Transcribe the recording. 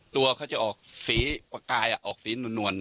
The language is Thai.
ตัวเขาจะออกสีประกายออกสีนวล